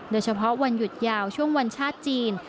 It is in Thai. โดยเฉพาะวันหยุดยาวช่วงวันชาติจีน